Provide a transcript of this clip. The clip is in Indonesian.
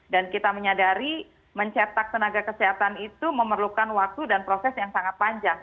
dan kita menyadari mencetak tenaga kesehatan itu memerlukan waktu dan proses yang sangat panjang